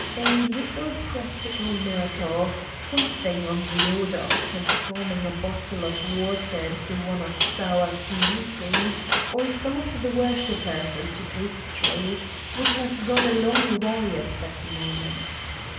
A little practical miracle, something on the order of transforming a bottle of water into one of sour Chianti or some of the worshippers into pastry, would have gone a long way at that moment.